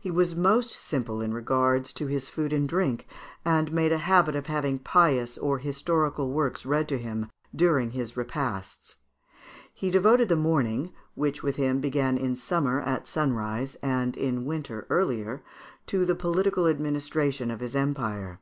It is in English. He was most simple as regards his food and drink, and made a habit of having pious or historical works read to him during his repasts. He devoted the morning, which with him began in summer at sunrise, and in winter earlier, to the political administration of his empire.